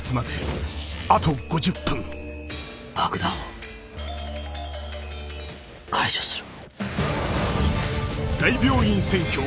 爆弾を解除する。